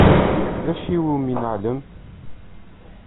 D acu iwumi neεlem?